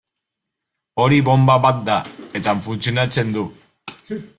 Hori bonba bat da, eta funtzionatzen du.